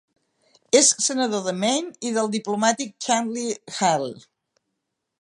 És senador de Maine i del diplomàtic Chandler Hale.